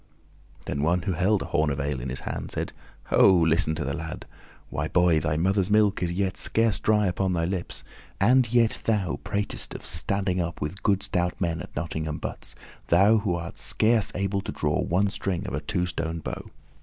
Then one who held a horn of ale in his hand said, "Ho! listen to the lad! Why, boy, thy mother's milk is yet scarce dry upon thy lips, and yet thou pratest of standing up with good stout men at Nottingham butts, thou who art scarce able to draw one string of a two stone bow."